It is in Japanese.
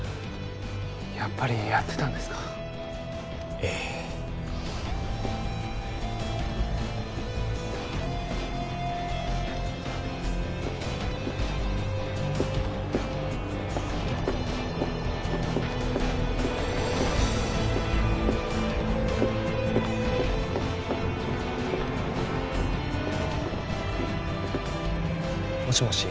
やっぱりやってたんですかええもしもし？